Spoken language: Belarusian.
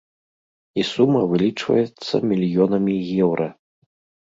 І сума вылічваецца мільёнамі еўра.